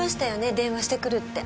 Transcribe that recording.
電話してくるって。